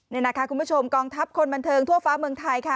นี่นะคะคุณผู้ชมกองทัพคนบันเทิงทั่วฟ้าเมืองไทยค่ะ